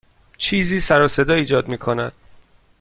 چیزی سر و صدا ایجاد می کند.